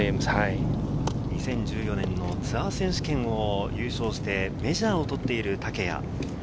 ２０１４年のツアー選手権を優勝してメジャーを取っている竹谷。